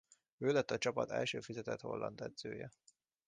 Ő lett a csapat első fizetett holland edzője.